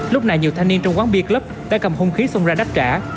lúc này nhiều thanh niên trong quán bia club đã cầm hung khí xông ra đắt trả